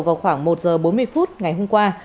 vào khoảng một giờ bốn mươi phút ngày hôm qua